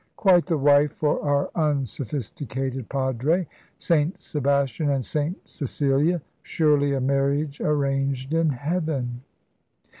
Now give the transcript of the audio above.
Quite the wife for our unsophisticated padre. St. Sebastian and St. Cecilia surely a marriage arranged in heaven."